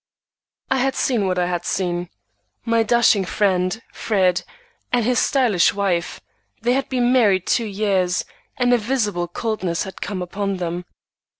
I had seen what I had seen. My dashing friend, Fred, and his stylish wife,—they had been married two years, and a visible coldness had come upon them.